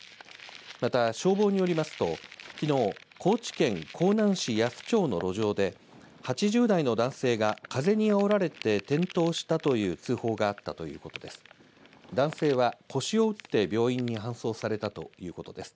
また、消防によりますときのう高知県香南市夜須町の路上で８０代の男性が風にあおられて転倒したという通報があったということです。